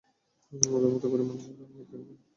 আমাদের মতো গরিব মানুষ তাল খেতে গিয়ে বেতাল দশা তৈরি হচ্ছে।